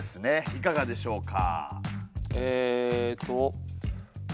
いかがでしょうか？